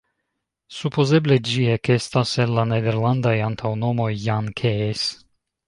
Supozeble ĝi ekestis el la nederlandaj antaŭnomoj "Jan-Kees".